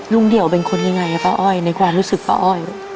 เดี่ยวเป็นคนยังไงป้าอ้อยในความรู้สึกป้าอ้อย